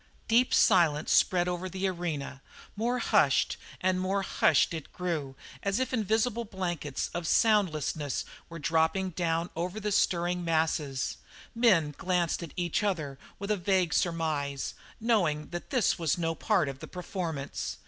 Deep silence spread over the arena; more hushed and more hushed it grew, as if invisible blankets of soundlessness were dropping down over the stirring masses; men glanced at each other with a vague surmise, knowing that this was no part of the performance.